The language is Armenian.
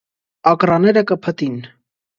Ակռաները կը փտին։